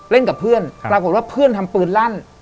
กับเพื่อนปรากฏว่าเพื่อนทำปืนลั่น